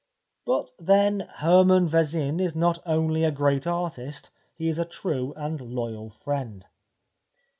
But then Hermann Vezin is not only a great artist, he is a true and loyal friend.